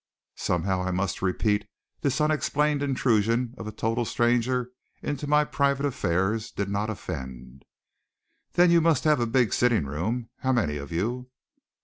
Somehow, I must repeat, this unexplained intrusion of a total stranger into my private affairs did not offend. "Then you must have a big sitting room. How many of you?"